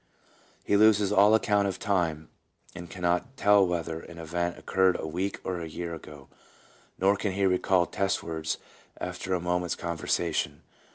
He loses all account of time, and can not tell whether an event occurred a week or a year ago, nor can he recall test words after a moment's conversation.